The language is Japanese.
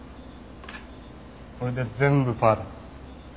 これで全部パーだ。